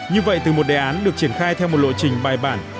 như vậy từ một đề án được triển khai theo một lộ trình bài bản